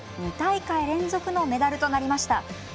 ２大会連続のメダルとなりました。